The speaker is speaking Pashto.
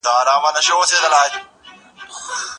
ایا ملي بڼوال شین ممیز اخلي؟